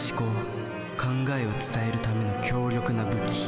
考えを伝えるための強力な武器。